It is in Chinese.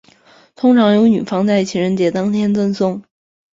通常由女方在情人节当天赠送。